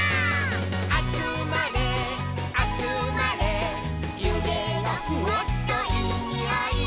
「あつまれあつまれゆげがフワッといいにおい」